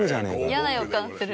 嫌な予感する。